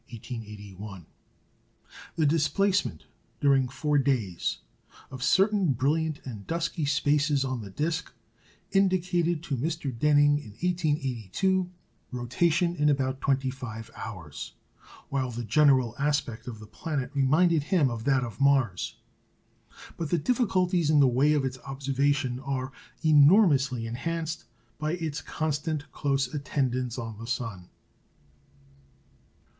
The displacement, during four days, of certain brilliant and dusky spaces on the disc indicated to Mr. Denning in 1882 rotation in about twenty five hours; while the general aspect of the planet reminded him of that of Mars. But the difficulties in the way of its observation are enormously enhanced by its constant close attendance on the sun.